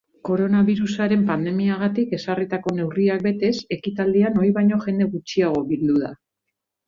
Koronabirusaren pandemiagatik ezarritako neurriak betez, ekitaldian ohi baino jende gutxiago bildu da.